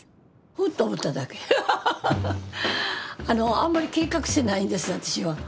あんまり計画性ないんです私は。